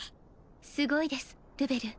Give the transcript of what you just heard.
すごいですルベル